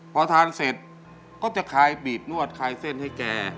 พอทานเสร็จก็จะคลายบีบนวดคลายเส้นให้แก